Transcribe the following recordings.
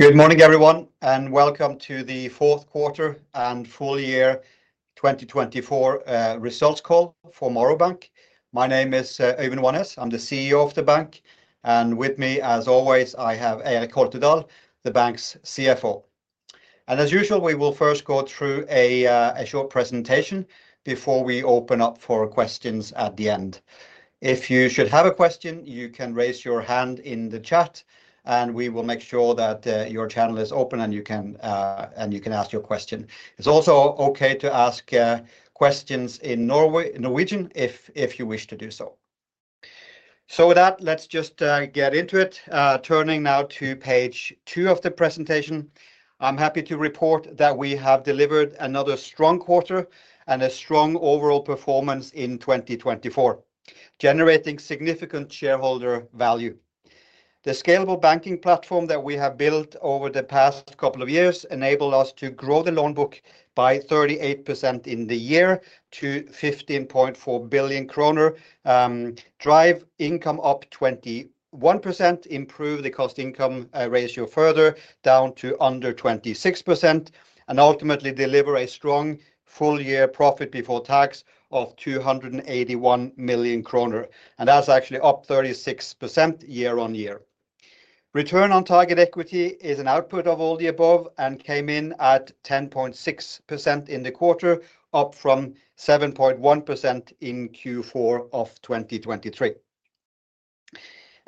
Good morning, everyone, and welcome to the 4th Quarter and full year 2024 results call for Morrow Bank. My name is Øyvind Oanes, I'm the CEO of the bank, and with me, as always, I have Eirik Holtedahl, the bank's CFO. And as usual, we will first go through a short presentation before we open up for questions at the end. If you should have a question, you can raise your hand in the chat, and we will make sure that your channel is open and you can ask your question. It's also okay to ask questions in Norwegian if you wish to do so. So with that, let's just get into it, turning now to page two of the presentation. I'm happy to report that we have delivered another strong quarter and a strong overall performance in 2024, generating significant shareholder value. The scalable banking platform that we have built over the past couple of years enabled us to grow the loan book by 38% in the year to 15.4 billion kroner, drive income up 21%, improve the cost-income ratio further down to under 26%, and ultimately deliver a strong full-year profit before tax of 281 million kroner. And that's actually up 36% year on year. Return on target equity is an output of all the above and came in at 10.6% in the quarter, up from 7.1% in Q4 of 2023.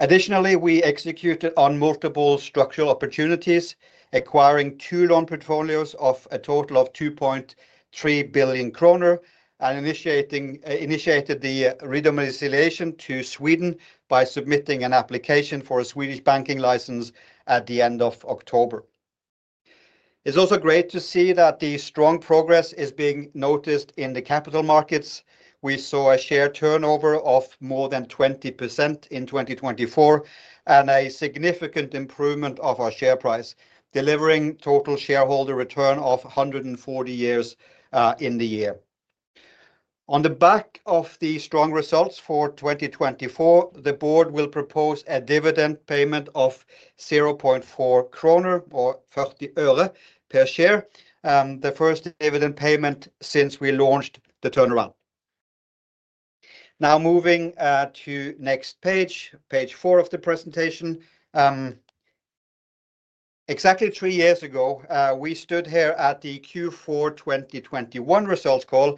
Additionally, we executed on multiple structural opportunities, acquiring two loan portfolios of a total of 2.3 billion kroner and initiated the re-domiciliation to Sweden by submitting an application for a Swedish banking license at the end of October. It's also great to see that the strong progress is being noticed in the capital markets. We saw a share turnover of more than 20% in 2024 and a significant improvement of our share price, delivering total shareholder return of 140% in the year. On the back of the strong results for 2024, the board will propose a dividend payment of 0.40 kroner per share, the first dividend payment since we launched the turnaround. Now moving to the next page, page four of the presentation. Exactly three years ago, we stood here at the Q4 2021 results call.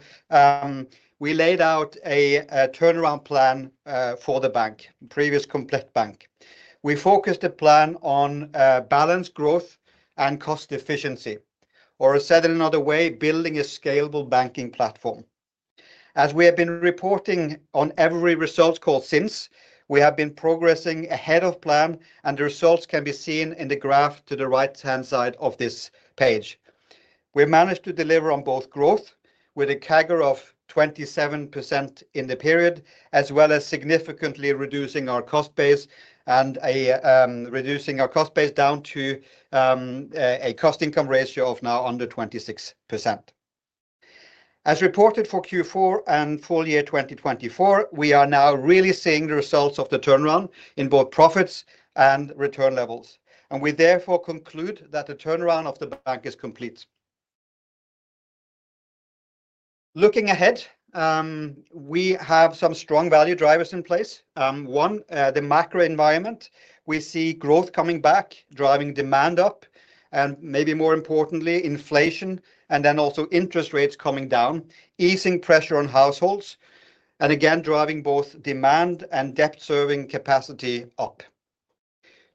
We laid out a turnaround plan for the bank, previously Komplett Bank. We focused the plan on balanced growth and cost efficiency, or said it another way, building a scalable banking platform. As we have been reporting on every results call since, we have been progressing ahead of plan, and the results can be seen in the graph to the right-hand side of this page. We managed to deliver on both growth with a CAGR of 27% in the period, as well as significantly reducing our cost base down to a cost-income ratio of now under 26%. As reported for Q4 and full year 2024, we are now really seeing the results of the turnaround in both profits and return levels. We therefore conclude that the turnaround of the bank is complete. Looking ahead, we have some strong value drivers in place. One, the macro environment. We see growth coming back, driving demand up, and maybe more importantly, inflation, and then also interest rates coming down, easing pressure on households, and again, driving both demand and debt-serving capacity up.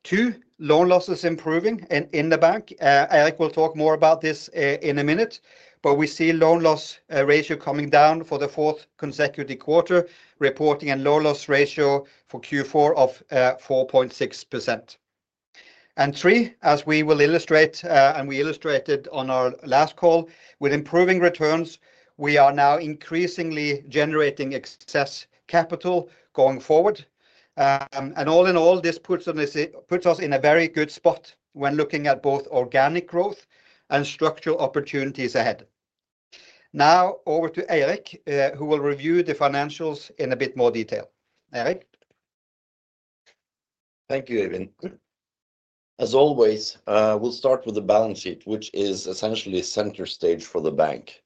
Two, loan losses improving in the bank. Eirik will talk more about this in a minute, but we see loan loss ratio coming down for the fourth consecutive quarter, reporting a loan loss ratio for Q4 of 4.6%. And three, as we will illustrate, and we illustrated on our last call, with improving returns, we are now increasingly generating excess capital going forward. And all in all, this puts us in a very good spot when looking at both organic growth and structural opportunities ahead. Now over to Eirik, who will review the financials in a bit more detail. Eirik. Thank you, Øyvind. As always, we'll start with the balance sheet, which is essentially center stage for the bank.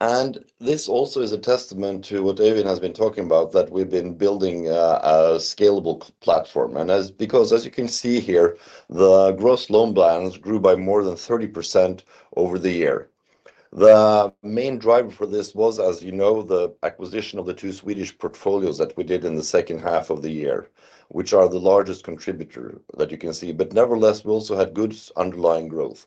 And this also is a testament to what Øyvind has been talking about, that we've been building a scalable platform. And because, as you can see here, the gross loan balance grew by more than 30% over the year. The main driver for this was, as you know, the acquisition of the two Swedish portfolios that we did in the second half of the year, which are the largest contributor that you can see. But nevertheless, we also had good underlying growth.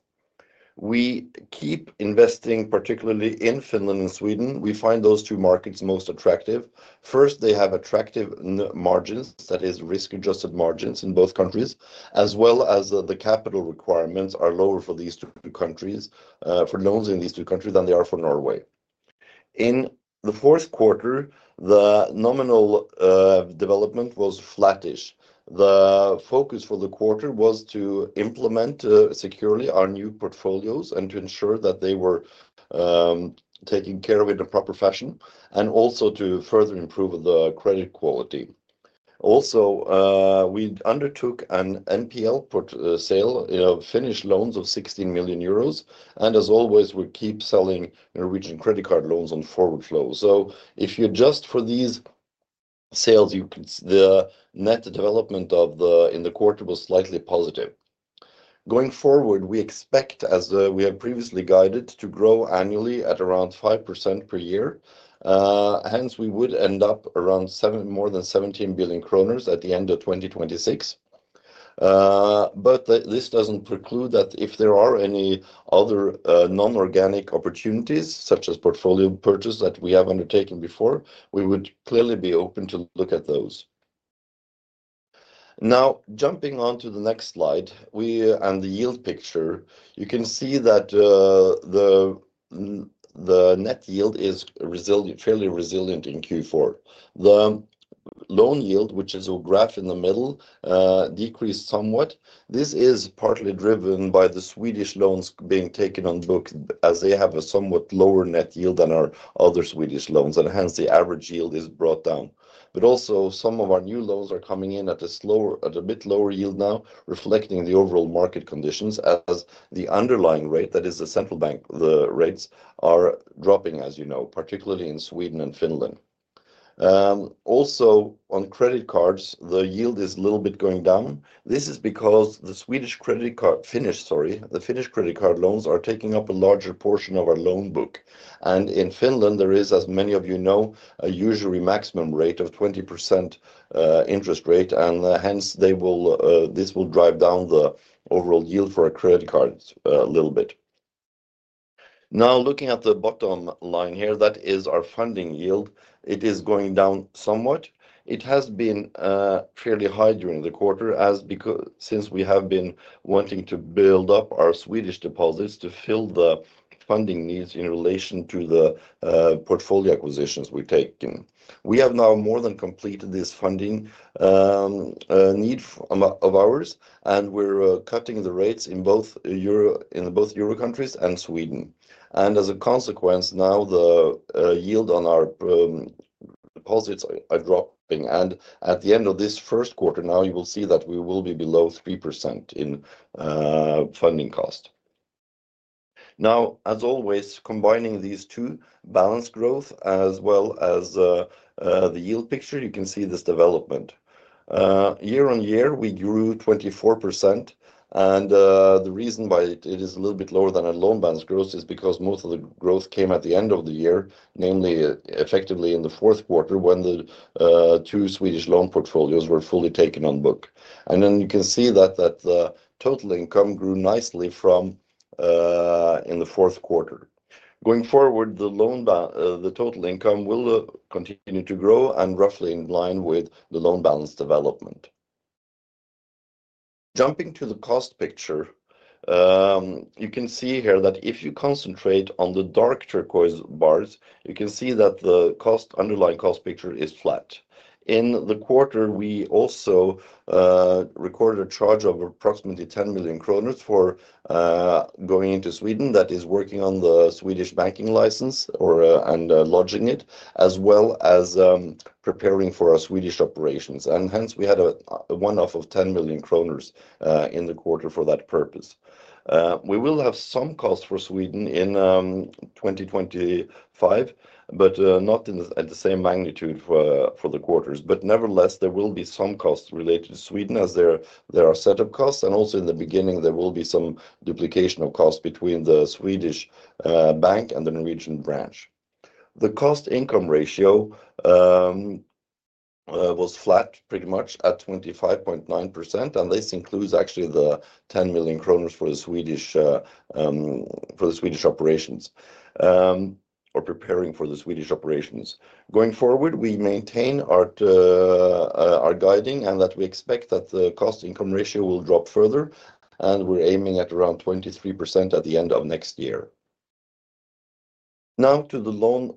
We keep investing, particularly in Finland and Sweden. We find those two markets most attractive. First, they have attractive margins, that is, risk-adjusted margins in both countries, as well as the capital requirements are lower for these two countries, for loans in these two countries than they are for Norway. In the 4th Quarter, the nominal development was flattish. The focus for the quarter was to implement securely our new portfolios and to ensure that they were taken care of in a proper fashion, and also to further improve the credit quality. Also, we undertook an NPL sale, Finnish loans of 16 million euros, and as always, we keep selling Norwegian credit card loans on forward flow, so if you adjust for these sales, the net development in the quarter was slightly positive. Going forward, we expect, as we have previously guided, to grow annually at around 5% per year. Hence, we would end up around more than 17 billion kroner at the end of 2026. But this doesn't preclude that if there are any other non-organic opportunities, such as portfolio purchase that we have undertaken before, we would clearly be open to look at those. Now, jumping on to the next slide and the yield picture, you can see that the net yield is fairly resilient in Q4. The loan yield, which is a graph in the middle, decreased somewhat. This is partly driven by the Swedish loans being taken on book, as they have a somewhat lower net yield than our other Swedish loans, and hence the average yield is brought down. But also, some of our new loans are coming in at a bit lower yield now, reflecting the overall market conditions, as the underlying rate, that is, the central bank rates, are dropping, as you know, particularly in Sweden and Finland. Also, on credit cards, the yield is a little bit going down. This is because the Swedish credit card Finnish, sorry, the Finnish credit card loans are taking up a larger portion of our loan book. And in Finland, there is, as many of you know, a usual maximum rate of 20% interest rate, and hence this will drive down the overall yield for our credit cards a little bit. Now, looking at the bottom line here, that is our funding yield. It is going down somewhat. It has been fairly high during the quarter since we have been wanting to build up our Swedish deposits to fill the funding needs in relation to the portfolio acquisitions we've taken. We have now more than completed this funding need of ours, and we're cutting the rates in both Euro countries and Sweden. And as a consequence, now the yield on our deposits are dropping. And at the end of this first quarter, now you will see that we will be below 3% in funding cost. Now, as always, combining these two, balanced growth as well as the yield picture, you can see this development. Year on year, we grew 24%. The reason why it is a little bit lower than our loan balance growth is because most of the growth came at the end of the year, namely effectively in the 4th Quarter when the two Swedish loan portfolios were fully taken on book. Then you can see that the total income grew nicely in the 4th Quarter. Going forward, the total income will continue to grow and roughly in line with the loan balance development. Jumping to the cost picture, you can see here that if you concentrate on the dark turquoise bars, you can see that the underlying cost picture is flat. In the quarter, we also recorded a charge of approximately 10 million kroner for going into Sweden, that is, working on the Swedish banking license and lodging it, as well as preparing for our Swedish operations. Hence, we had a one-off of 10 million kroner in the quarter for that purpose. We will have some costs for Sweden in 2025, but not at the same magnitude for the quarters. Nevertheless, there will be some costs related to Sweden as there are setup costs. Also in the beginning, there will be some duplication of costs between the Swedish bank and the Norwegian branch. The cost-income ratio was flat pretty much at 25.9%, and this includes actually the 10 million kroner for the Swedish operations or preparing for the Swedish operations. Going forward, we maintain our guidance and that we expect that the cost-income ratio will drop further, and we're aiming at around 23% at the end of next year. Now to the loan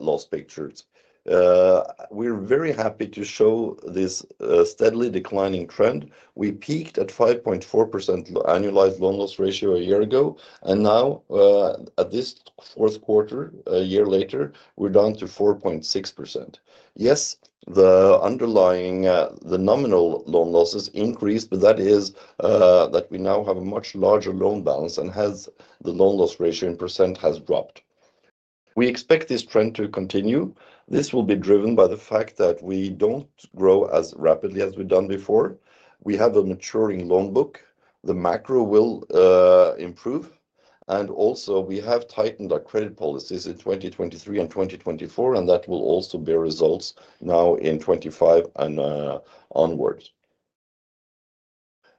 loss pictures. We're very happy to show this steadily declining trend. We peaked at 5.4% annualized loan loss ratio a year ago, and now at this 4th Quarter, a year later, we're down to 4.6%. Yes, the nominal loan losses increased, but that is, that we now have a much larger loan balance, and hence the loan loss ratio in percent has dropped. We expect this trend to continue. This will be driven by the fact that we don't grow as rapidly as we've done before. We have a maturing loan book. The macro will improve, and also, we have tightened our credit policies in 2023 and 2024, and that will also bear results now in 2025 and onwards.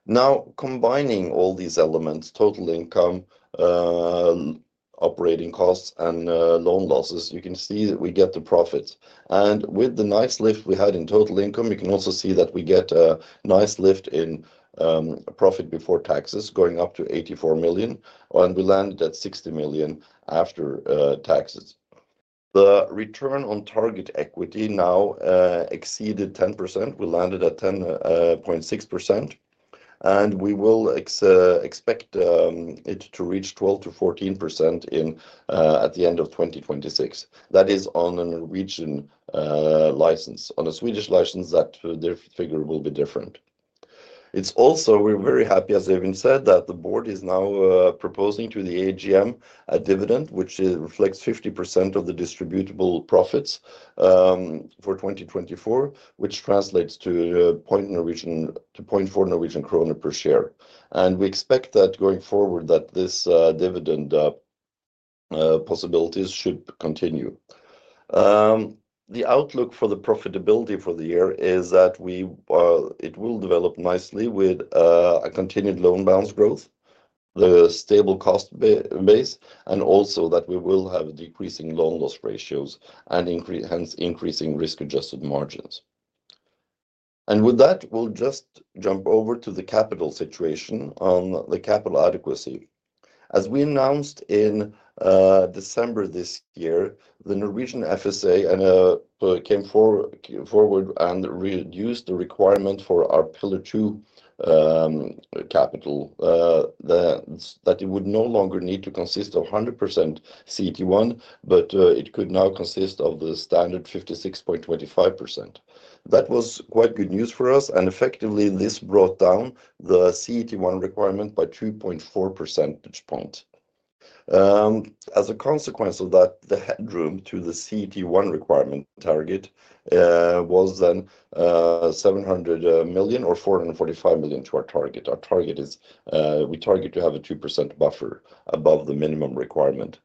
Now, combining all these elements, total income, operating costs, and loan losses, you can see that we get the profits. With the nice lift we had in total income, you can also see that we get a nice lift in profit before taxes going up to 84 million, and we landed at 60 million after taxes. The return on target equity now exceeded 10%. We landed at 10.6%, and we will expect it to reach 12%-14% at the end of 2026. That is on a Norwegian license. On a Swedish license, that figure will be different. It's also, we're very happy, as Øyvind said, that the board is now proposing to the AGM a dividend, which reflects 50% of the distributable profits for 2024, which translates to 0.4 Norwegian krone per share. And we expect that going forward, that this dividend possibilities should continue. The outlook for the profitability for the year is that it will develop nicely with a continued loan balance growth, the stable cost base, and also that we will have decreasing loan loss ratios and hence increasing risk-adjusted margins. And with that, we'll just jump over to the capital situation on the capital adequacy. As we announced in December this year, the Norwegian FSA came forward and reduced the requirement for our Pillar 2 capital, that it would no longer need to consist of 100% CET1, but it could now consist of the standard 56.25%. That was quite good news for us, and effectively, this brought down the CET1 requirement by 2.4 percentage points. As a consequence of that, the headroom to the CET1 requirement target was then 700 million or 445 million to our target. Our target is we target to have a 2% buffer above the minimum requirement.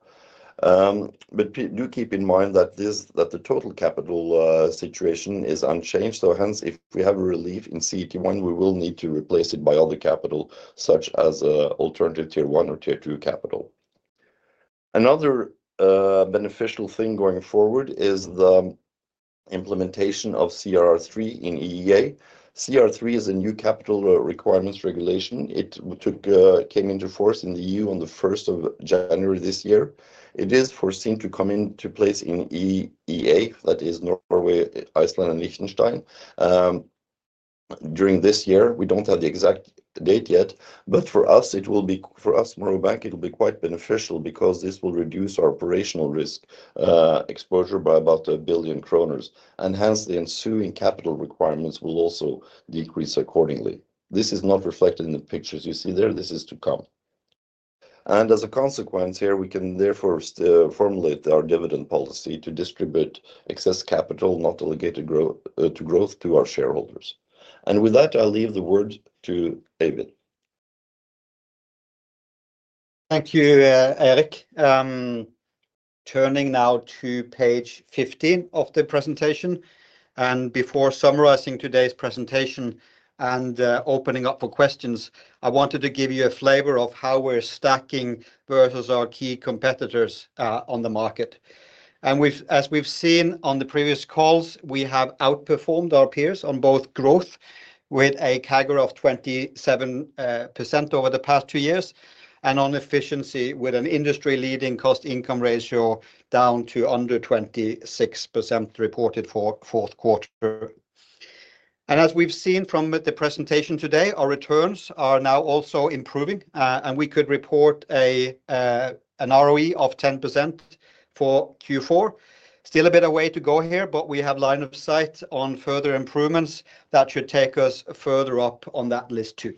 But do keep in mind that the total capital situation is unchanged. So hence, if we have a relief in CET1, we will need to replace it by other capital, such as alternative tier one or tier two capital. Another beneficial thing going forward is the implementation of CRR3 in EEA. CRR3 is a new capital requirements regulation. It came into force in the EU on the 1st of January this year. It is foreseen to come into place in EEA, that is, Norway, Iceland, and Liechtenstein during this year. We don't have the exact date yet, but for us, it will be for us, Morrow Bank, it will be quite beneficial because this will reduce our operational risk exposure by about 1 billion kroner. And hence, the ensuing capital requirements will also decrease accordingly. This is not reflected in the pictures you see there. This is to come. As a consequence here, we can therefore formulate our dividend policy to distribute excess capital, not allocate it to growth, to our shareholders. With that, I'll leave the word to Øyvind. Thank you, Eirik. Turning now to page 15 of the presentation. And before summarizing today's presentation and opening up for questions, I wanted to give you a flavor of how we're stacking versus our key competitors on the market. And as we've seen on the previous calls, we have outperformed our peers on both growth with a CAGR of 27% over the past two years, and on efficiency with an industry-leading cost-income ratio down to under 26% reported for the 4th Quarter. And as we've seen from the presentation today, our returns are now also improving, and we could report an ROE of 10% for Q4. Still a bit of way to go here, but we have line of sight on further improvements that should take us further up on that list too.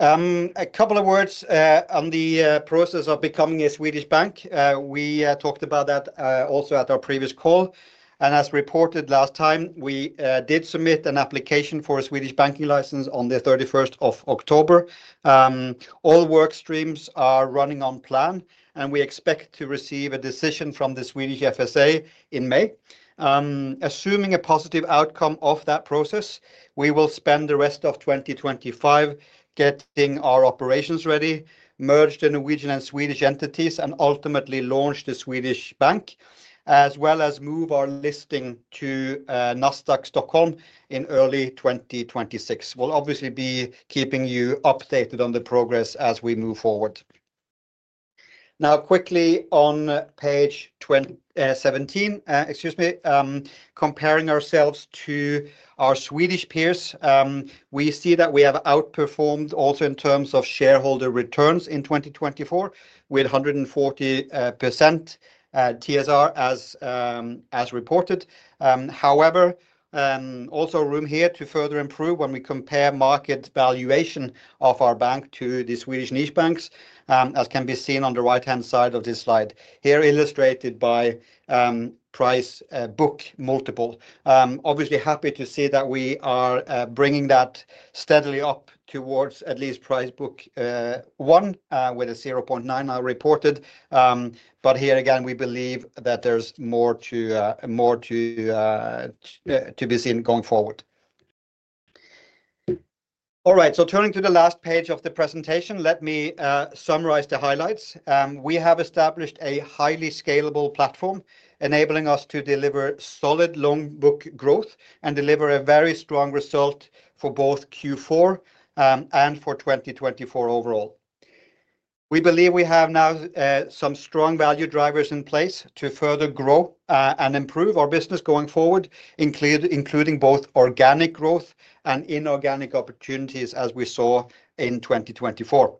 A couple of words on the process of becoming a Swedish bank. We talked about that also at our previous call. And as reported last time, we did submit an application for a Swedish banking license on the 31st of October. All work streams are running on plan, and we expect to receive a decision from the Swedish FSA in May. Assuming a positive outcome of that process, we will spend the rest of 2025 getting our operations ready, merge the Norwegian and Swedish entities, and ultimately launch the Swedish bank, as well as move our listing to NASDAQ Stockholm in early 2026. We'll obviously be keeping you updated on the progress as we move forward. Now, quickly on page 17, excuse me, comparing ourselves to our Swedish peers, we see that we have outperformed also in terms of shareholder returns in 2024 with 140% TSR as reported. However, also room here to further improve when we compare market valuation of our bank to the Swedish niche banks, as can be seen on the right-hand side of this slide. Here illustrated by price book multiple. Obviously, happy to see that we are bringing that steadily up towards at least price book one with a 0.9 now reported. But here again, we believe that there's more to be seen going forward. All right, so turning to the last page of the presentation, let me summarize the highlights. We have established a highly scalable platform enabling us to deliver solid loan book growth and deliver a very strong result for both Q4 and for 2024 overall. We believe we have now some strong value drivers in place to further grow and improve our business going forward, including both organic growth and inorganic opportunities as we saw in 2024.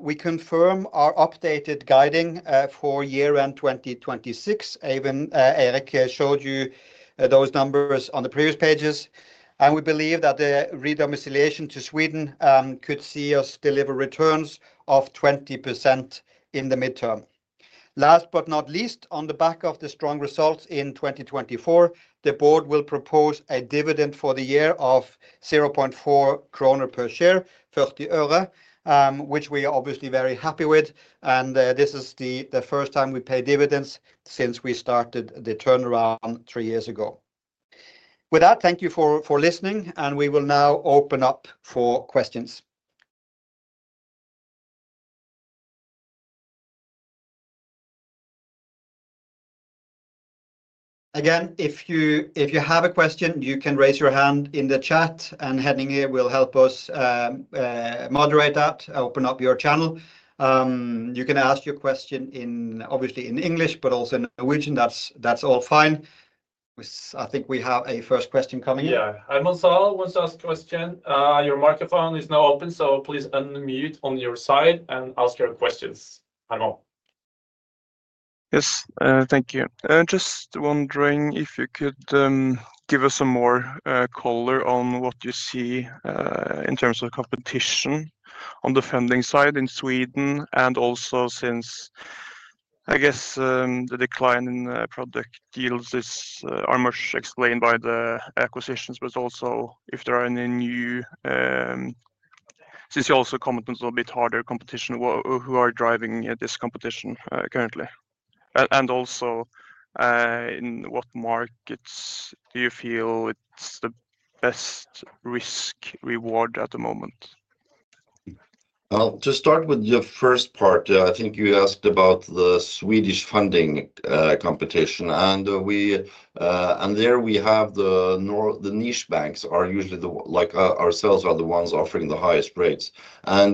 We confirm our updated guidance for year-end 2026. Eirik showed you those numbers on the previous pages. And we believe that the redomiciliation to Sweden could see us deliver returns of 20% in the midterm. Last but not least, on the back of the strong results in 2024, the board will propose a dividend for the year of 0.4 kroner per share, 40 øre, which we are obviously very happy with. And this is the first time we pay dividends since we started the turnaround three years ago. With that, thank you for listening, and we will now open up for questions. Again, if you have a question, you can raise your hand in the chat, and Henning here will help us moderate that, open up your channel. You can ask your question obviously in English, but also in Norwegian. That's all fine. I think we have a first question coming in. Yeah, Helmut Saal wants to ask a question. Your microphone is now open, so please unmute on your side and ask your questions. Helmut. Yes, thank you. Just wondering if you could give us a more color on what you see in terms of competition on the funding side in Sweden and also since, I guess, the decline in product deals are much explained by the acquisitions, but also if there are any new, since you also comment on a bit harder competition, who are driving this competition currently? And also, in what markets do you feel it's the best risk-reward at the moment? To start with the first part, I think you asked about the Swedish funding competition. There we have the niche banks are usually like ourselves are the ones offering the highest rates.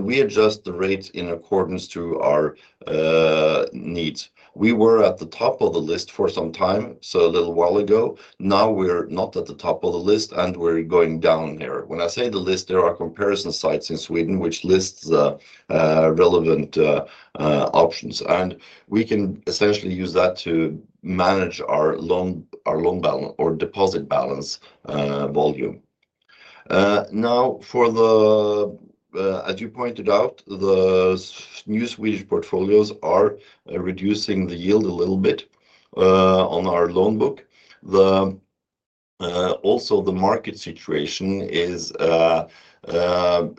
We adjust the rates in accordance to our needs. We were at the top of the list for some time, so a little while ago. Now we're not at the top of the list, and we're going down here. When I say the list, there are comparison sites in Sweden which list relevant options. We can essentially use that to manage our loan balance or deposit balance volume. Now, as you pointed out, the new Swedish portfolios are reducing the yield a little bit on our loan book. Also, the market situation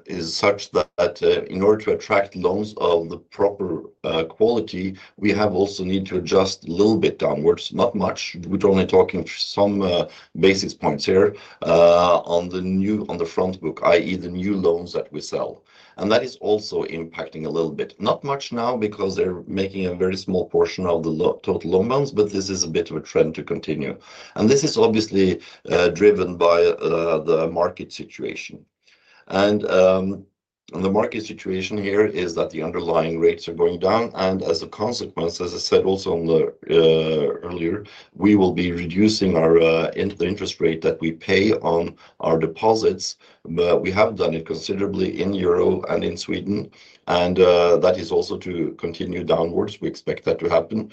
is such that in order to attract loans of the proper quality, we have also need to adjust a little bit downwards. Not much. We're only talking some basis points here on the new front book, i.e., the new loans that we sell. And that is also impacting a little bit. Not much now because they're making a very small portion of the total loan balance, but this is a bit of a trend to continue. And this is obviously driven by the market situation. And the market situation here is that the underlying rates are going down. And as a consequence, as I said also earlier, we will be reducing the interest rate that we pay on our deposits. But we have done it considerably in euro and in Sweden. And that is also to continue downwards. We expect that to happen.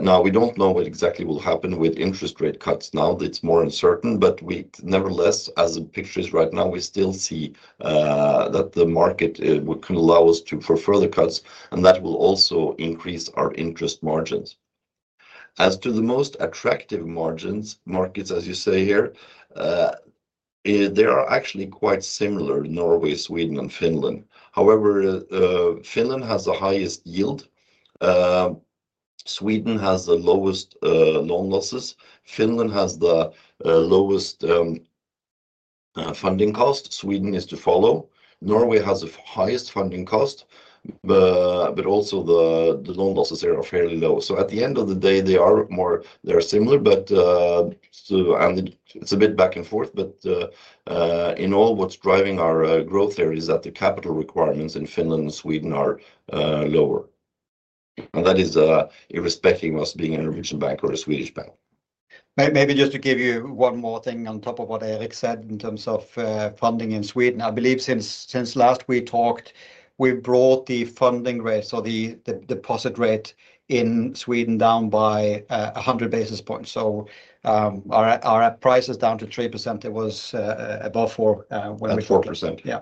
Now, we don't know what exactly will happen with interest rate cuts now. It's more uncertain. But nevertheless, as the picture is right now, we still see that the market can allow us for further cuts, and that will also increase our interest margins. As to the most attractive margins, markets, as you say here, they are actually quite similar: Norway, Sweden, and Finland. However, Finland has the highest yield. Sweden has the lowest loan losses. Finland has the lowest funding cost. Sweden is to follow. Norway has the highest funding cost, but also the loan losses there are fairly low. So at the end of the day, they are similar, but it's a bit back and forth. But in all, what's driving our growth there is that the capital requirements in Finland and Sweden are lower. And that is irrespective of us being a Norwegian bank or a Swedish bank. Maybe just to give you one more thing on top of what Eirik said in terms of funding in Sweden. I believe since last we talked, we brought the funding rate, so the deposit rate in Sweden down by 100 basis points. So our price is down to 3%. It was above 4%. Above 4%. Yeah.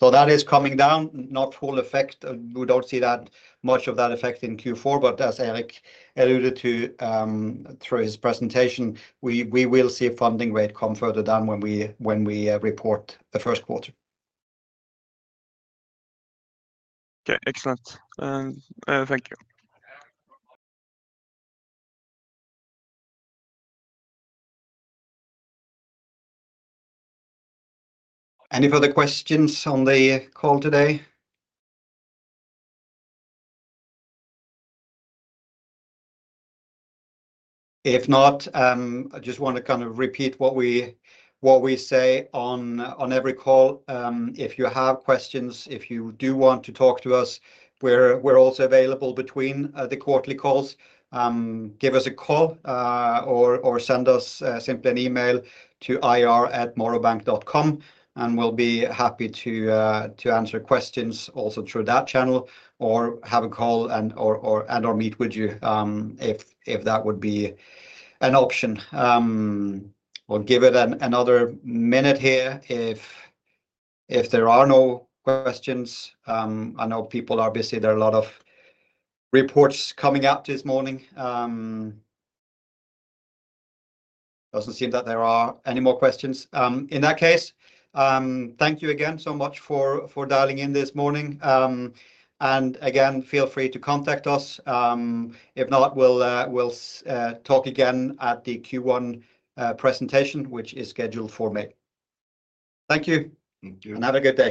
So that is coming down, not full effect. We don't see that much of that effect in Q4, but as Eirik alluded to through his presentation, we will see funding rate come further down when we report the first quarter. Okay, excellent. Thank you. Any further questions on the call today? If not, I just want to kind of repeat what we say on every call. If you have questions, if you do want to talk to us, we're also available between the quarterly calls. Give us a call or send us simply an email to ir@morrowbank.com, and we'll be happy to answer questions also through that channel or have a call and/or meet with you if that would be an option. We'll give it another minute here. If there are no questions, I know people are busy. There are a lot of reports coming out this morning. Doesn't seem that there are any more questions. In that case, thank you again so much for dialing in this morning, and again, feel free to contact us. If not, we'll talk again at the Q1 presentation, which is scheduled for May. Thank you. Thank you. Have a good day.